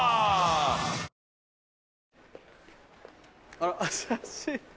あら写真。